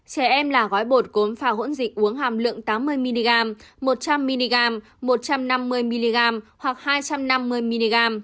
trẻ em là gói bột cốn pha hỗn dịch uống hàm lượng tám mươi mg một trăm linh mg một trăm năm mươi mg hoặc hai trăm năm mươi mg